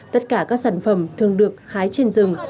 tất cả các sản phẩm thường được hái trên rừng